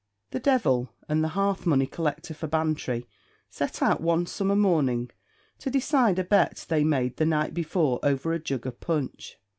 The devil and the hearth money collector for Bantry set out one summer morning to decide a bet they made the night before over a jug of punch.